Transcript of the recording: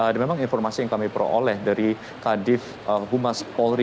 dan memang informasi yang kami peroleh dari kadif humas polri